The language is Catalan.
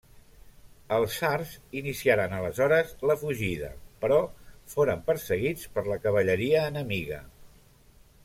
Els sards iniciaren aleshores la fugida, però foren perseguits per la cavalleria enemiga.